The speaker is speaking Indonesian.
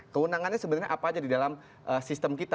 kewenangannya sebenarnya apa aja di dalam sistem kita